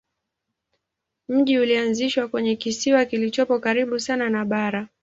Mji ulianzishwa kwenye kisiwa kilichopo karibu sana na bara.